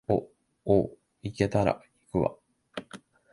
お、おう、行けたら行くわ